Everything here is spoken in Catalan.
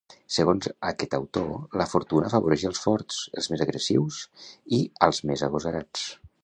Segons aquest autor la Fortuna afavoreix els forts, els més agressius i als més agosarats.